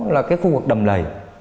là cái khu vực đầm lệ